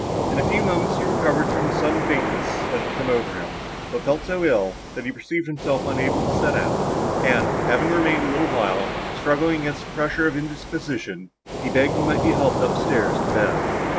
In a few moments he recovered from the sudden faintness that had come over him, but felt so ill, that he perceived himself unable to set out, and, having remained a little while, struggling against the pressure of indisposition, he begged he might be helped up stairs to bed.